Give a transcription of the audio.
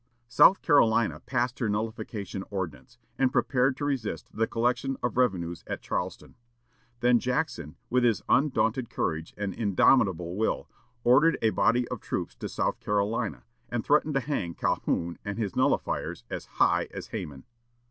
South Carolina passed her nullification ordinance, and prepared to resist the collection of revenues at Charleston. Then Jackson, with his undaunted courage and indomitable will, ordered a body of troops to South Carolina, and threatened to hang Calhoun and his nullifiers as "high as Haman."